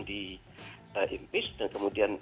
di impis dan kemudian